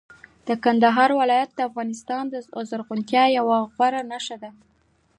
د کندهار ولایت د افغانستان د زرغونتیا یوه غوره نښه ده.